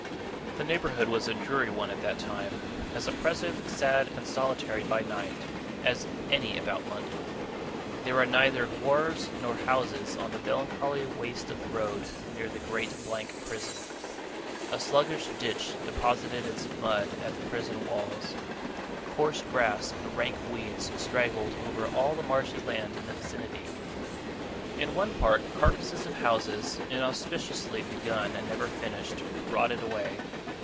The neighbourhood was a dreary one at that time; as oppressive, sad, and solitary by night, as any about London. There were neither wharves nor houses on the melancholy waste of road near the great blank Prison. A sluggish ditch deposited its mud at the prison walls. Coarse grass and rank weeds straggled over all the marshy land in the vicinity. In one part, carcases of houses, inauspiciously begun and never finished, rotted away.